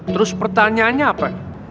terus pertanyaannya apa